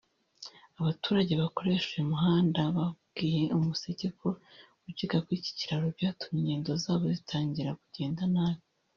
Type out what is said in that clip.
Abaturage bakoresha uyu muhanda babwiye Umuseke ko gucika kw’iki kiraro byatumye ingendo zabo zitangira kugenda nabi